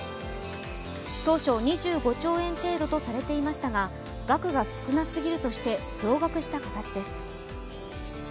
当初、２５兆円程度とされていましたが額が少なすぎるとして増額した形です。